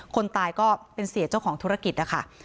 คนตายก็เป็นเสียเจ้าของธุรกิจนะคะ